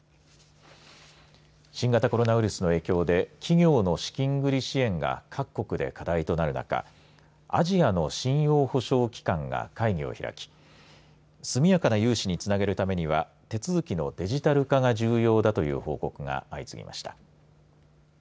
新型コロナウイルスの影響で企業の資金繰り支援が各国で課題となる中アジアの信用保証機関が会議を開き速やかな融資につなげるためには手続きのデジタル化が重要だという報告が相次ぎました。